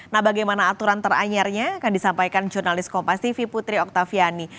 nah bagaimana aturan teranyarnya akan disampaikan jurnalis kompas tv putri oktaviani